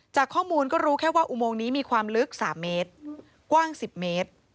จากข้อมูลก็รู้แค่ว่าอุโมงนี้มีความลึก๓เมตรกว้าง๑๐เมตร